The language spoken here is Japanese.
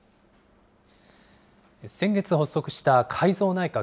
先月発足した改造内閣。